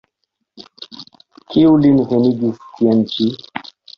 Kiu lin venigis tien ĉi?